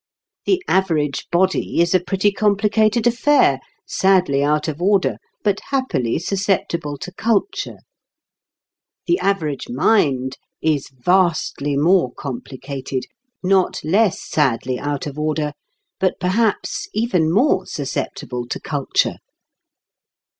The average body is a pretty complicated affair, sadly out of order, but happily susceptible to culture. The average mind is vastly more complicated, not less sadly out of order, but perhaps even more susceptible to culture.